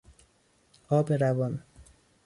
آب روان